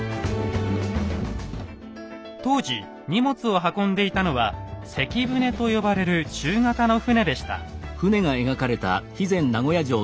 当時荷物を運んでいたのは「関船」と呼ばれる中型の船でした。